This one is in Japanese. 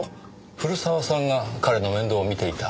古澤さんが彼の面倒を見ていた？